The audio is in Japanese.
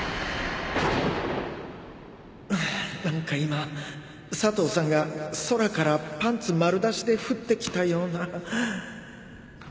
あぁ何か今佐藤さんが空からパンツ丸出しで降って来たような